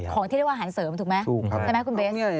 ของที่เรียกว่าอาหารเสริมถูกไหมใช่ไหมคุณเบ้น